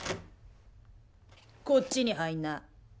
こっちに入んな。